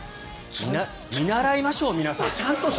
見習いましょう、皆さん。